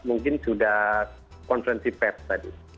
mungkin sudah konferensi pers tadi